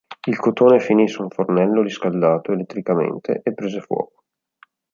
Il cotone finì su un fornello riscaldato elettricamente e prese fuoco.